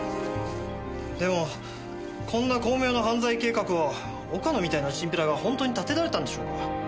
でもこんな巧妙な犯罪計画を岡野みたいなチンピラが本当に立てられたんでしょうか？